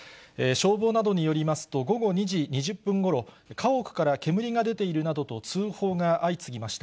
消防などによりますと、午後２時２０分ごろ、家屋から煙が出ているなどと通報が相次ぎました。